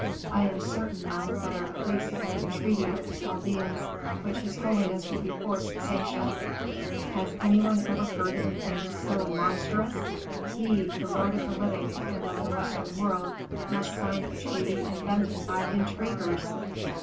"I am certain now that our priests have made a treaty with the Chaldeans which his holiness will be forced to sanction. Has anyone ever heard of a thing so monstrous? He, the lord of the living, and of the western world, must sign a treaty invented by intriguers!"